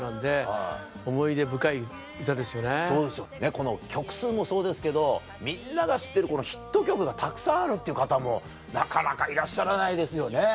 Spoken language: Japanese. この曲数もそうですけどみんなが知ってるヒット曲がたくさんあるっていう方もなかなかいらっしゃらないですよね。